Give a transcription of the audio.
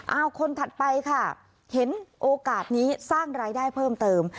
เอาคนถัดไปค่ะเห็นโอกาสนี้สร้างรายได้เพิ่มเติม